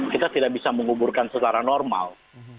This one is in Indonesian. kita tidak bisa menguburkan secara normal